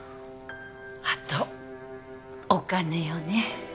あとお金よね